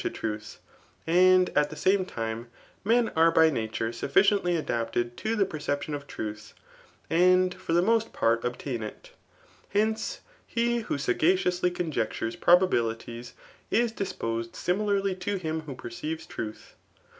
to truth ; and at th^ sane jdme,' mfti lEut by nature sufficiently adapted to [the:pdrceptioQ of ] truths and ioi: the 9ost partobftaia it. Hence, he who Gagacioualy ccmjectures probabilities^ ia: disposti (Similarly to htm who perceives truth.